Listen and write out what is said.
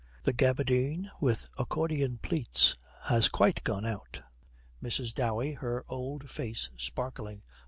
'The gabardine with accordion pleats has quite gone out.' MRS. DOWEY, her old face sparkling.